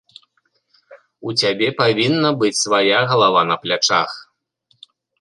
У цябе павінна быць свая галава на плячах.